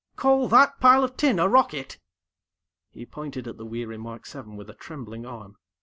_ Call that pile of tin a rocket?" He pointed at the weary Mark VII with a trembling arm.